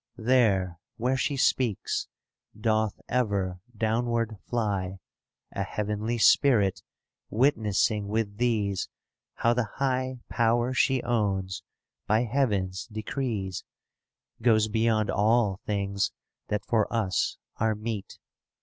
*° There, where she speaks, doth ever down ward fly, A heavenly spirit witnessing with these How the high power she owns by heaven's decrees Goes beyond all things that for us are meet.